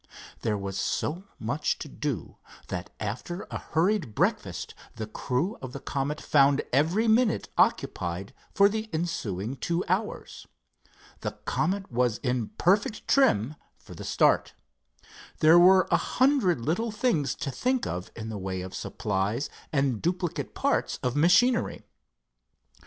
There was so much to do, that after a hurried breakfast the crew of the Comet found every minute occupied for the ensuing two hours. The Comet was in perfect trim for the start. There were a hundred little things to think of in the way of supplies and duplicate parts of machinery.